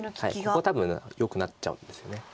ここ多分よくなっちゃうんですよね。